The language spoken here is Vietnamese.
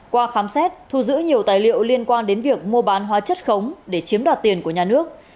qua khám xét thu giữ nhiều tài liệu liên quan đến việc mua bán hóa chất khống để chiếm đoạt tiền của nhà nước